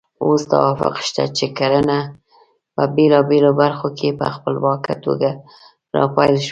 اوس توافق شته چې کرنه په بېلابېلو برخو کې په خپلواکه توګه راپیل شوه.